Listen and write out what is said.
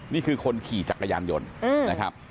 นี่คือคนขี่จักรยานยนต์นะครับ